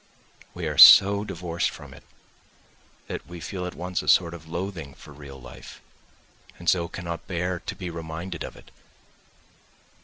We are so divorced from it that we feel at once a sort of loathing for real life, and so cannot bear to be reminded of it.